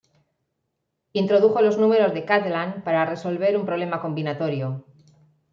Introdujo los números de Catalan para resolver un problema combinatorio.